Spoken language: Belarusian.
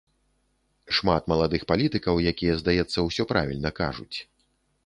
Шмат маладых палітыкаў, якія, здаецца, усё правільна кажуць.